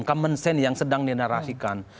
common sense yang sedang dinarasikan